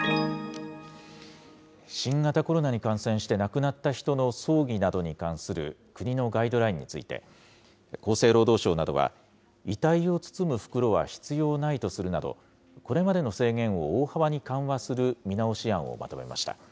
新型コロナに感染して亡くなった人の葬儀などに関する国のガイドラインについて、厚生労働省などは、遺体を包む袋は必要ないとするなど、これまでの制限を大幅に緩和する見直し案をまとめました。